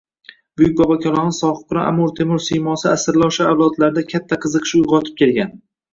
Buyuk bobokalonimiz Sohibqiron Amir Temur siymosi asrlar osha avlodlarda katta qiziqish uyg`otib kelgan